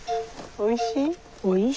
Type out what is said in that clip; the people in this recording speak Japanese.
おいしい？